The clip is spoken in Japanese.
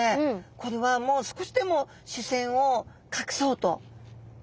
これはもう少しでも視線を隠そうとお目目をですね